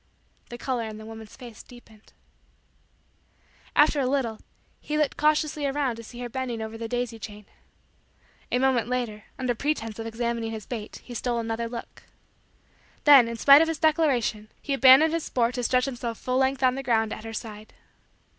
The color in the woman's face deepened. After a little, he looked cautiously around to see her bending over the daisy chain. A moment later, under pretense of examining his bait, he stole another look. Then, in spite of his declaration, he abandoned his sport to stretch himself full length on the ground at her side.